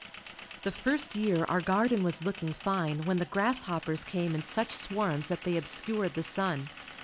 The first year our garden was looking fine when the grasshoppers came in such swarms that they obscured the sun.